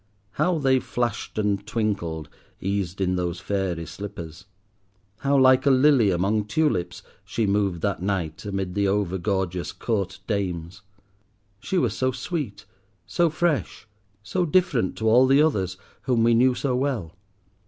How they flashed and twinkled, eased in those fairy slippers. How like a lily among tulips she moved that night amid the over gorgeous Court dames. She was so sweet, so fresh, so different to all the others whom we knew so well.